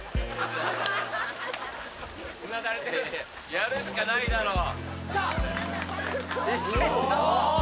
やるしかないだろう。